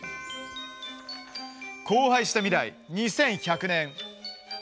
荒廃した未来２１００年。